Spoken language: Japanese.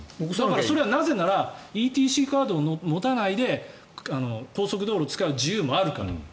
それはなぜならＥＴＣカードを持たないで高速道路を使う自由もあるから。